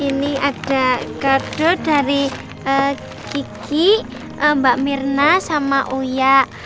ini ada gardu dari kiki mbak mirna sama uya